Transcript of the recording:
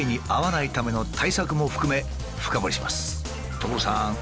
所さん！